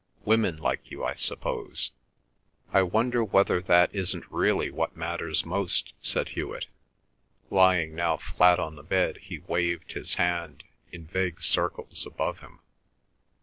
Women like you, I suppose." "I wonder whether that isn't really what matters most?" said Hewet. Lying now flat on the bed he waved his hand in vague circles above him.